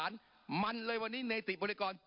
ปรับไปเท่าไหร่ทราบไหมครับ